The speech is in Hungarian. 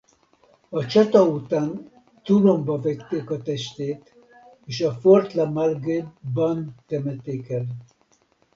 A csata után Toulonba vitték a testét és a Fort La Malgue-ban temették el.